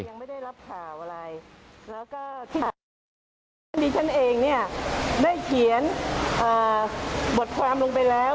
ค่ะเค้นดีฉันเองเนี่ยน่าเขียนบทความลงไปแล้ว